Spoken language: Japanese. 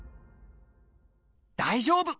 大丈夫！